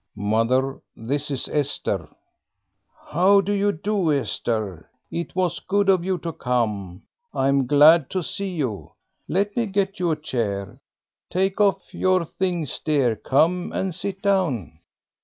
"Mother, this is Esther." "How do you do, Esther? It was good of you to come. I am glad to see you. Let me get you a chair. Take off your things, dear; come and sit down."